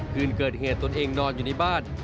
คืนเกิดเหตุตนเองนอนอยู่ในบ้าน